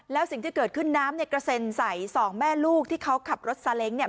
แล้วสิ่งที่เกิดขึ้นน้ำเนี่ยกระเซ็นใส่สองแม่ลูกที่เขาขับรถซาเล้งเนี่ย